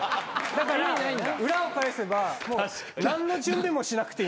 だから裏を返せば何の準備もしなくていいんですよ。